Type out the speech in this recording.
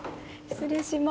失礼します。